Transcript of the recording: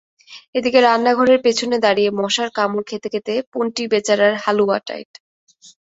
এদিকে রান্নাঘরের পেছনে দাঁড়িয়ে মশার কামড় খেতে খেতে পন্টি বেচারার হালুয়া টাইট।